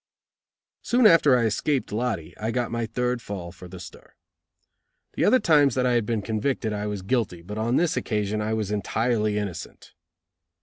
Soon after I escaped Lottie, I got my third fall for the stir. The other times that I had been convicted, I was guilty, but on this occasion I was entirely innocent.